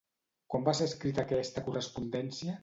Quan va ser escrita aquesta correspondència?